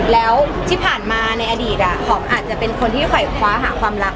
แล้วที่ผ่านมาในอดีตหอมอาจจะเป็นคนที่คอยคว้าหาความรัก